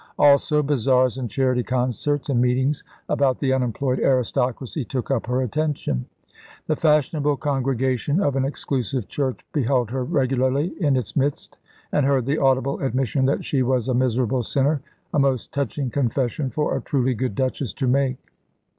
Also bazaars and charity concerts, and meetings about the unemployed aristocracy, took up her attention. The fashionable congregation of an exclusive church beheld her regularly in its midst, and heard the audible admission that she was a miserable sinner a most touching confession for a truly good Duchess to make.